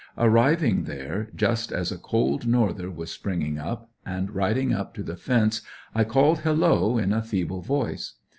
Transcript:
Arriving there, just as a cold norther was springing up, and riding up to the fence I called: "Hello!" in a feeble voice.